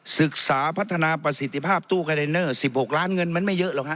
ศึกษาพัฒนาประสิทธิภาพตู้คาเดนเนอร์๑๖ล้านเงินมันไม่เยอะหรอกฮ